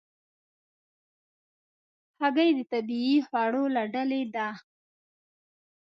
هګۍ د طبیعي خوړو له ډلې ده.